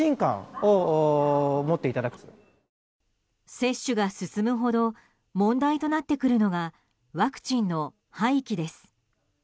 接種が進むほど問題となってくるのがワクチンの廃棄です。